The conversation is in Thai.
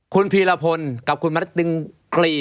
คุณพีรพลกับคุณมณติงกรี